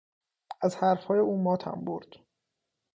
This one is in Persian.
از حرفهای او ماتم برد.